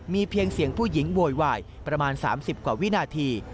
มีเพียงเสียงผู้หญิงโวยวายประมาณ๓๐กว่าวินาที